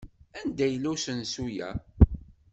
Anda yella usensu-a?